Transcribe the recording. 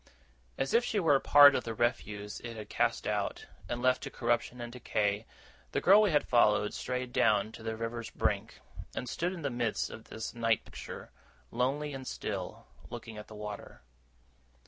As if she were a part of the refuse it had cast out, and left to corruption and decay, the girl we had followed strayed down to the river's brink, and stood in the midst of this night picture, lonely and still, looking at the water.